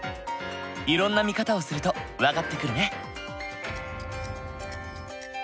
いろんな見方をすると分かってくるね。